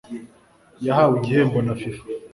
yahawe igihembo na FIFA